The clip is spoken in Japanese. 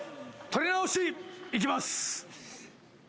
取り直しいきます